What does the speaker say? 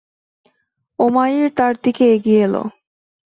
উমাইর তার দিকেই এগিয়ে গেল।